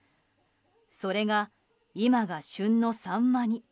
それが今が旬のサンマに。